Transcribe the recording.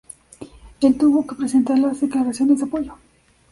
Él tuvo que presentar las declaraciones de apoyo.